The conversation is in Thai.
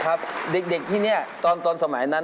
เด็กที่นี่ตอนสมัยนั้น